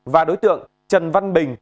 và đối tượng trần văn bình